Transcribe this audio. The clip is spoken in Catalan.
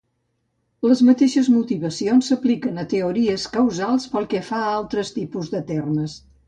Les mateixes motivacions s'apliquen a teories causals pel que fa a altres tipus de termes.